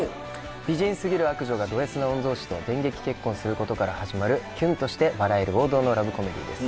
美人すぎる悪女がドＳな御曹司と電撃結婚することから始まるキュンとして笑える王道のラブコメディーです